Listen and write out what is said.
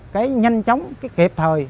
cái nhanh chóng cái kịp thời